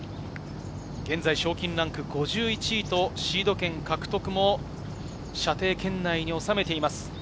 現在、賞金ランク５１位とシード権獲得も射程圏内に収めています。